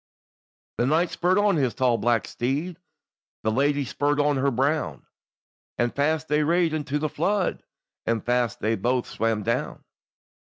The knight spurred on his tall black steed; The lady spurred on her brown; And fast they rade unto the flood, And fast they baith swam down.